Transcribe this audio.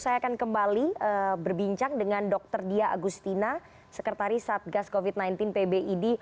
saya akan kembali berbincang dengan dr dia agustina sekretaris satgas covid sembilan belas pbid